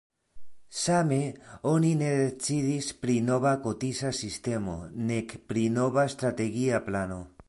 Same oni ne decidis pri nova kotiza sistemo, nek pri nova strategia plano.